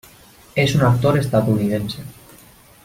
Es un actor estadounidense.